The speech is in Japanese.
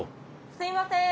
すいません。